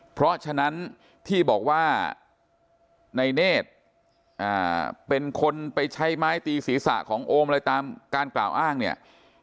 เพราะฉะนั้นที่บอกว่าในเนธเป็นคนไปใช้ไม้ตีศีรษะของโอมอะไรตามการกล่าวอ้างเนี่ย